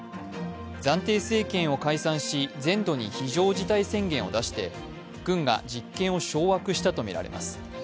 暫定政権を解散し、全土に非常事態宣言を出して軍が実権を掌握したとみられます。